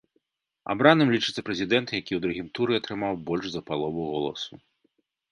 Абраным лічыцца прэзідэнт, які ў другім туры атрымаў больш за палову голасу.